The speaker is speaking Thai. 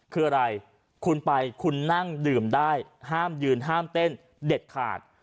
คืออะไรคุณไปคุณนั่งดื่มได้ห้ามยืนห้ามเต้นเด็ดขาด